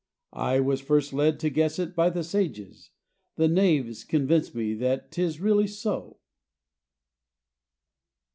I was first led to guess it by the sages, The knaves convince me that 'tis really so.